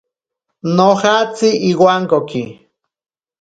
Nojatsi iwankoki.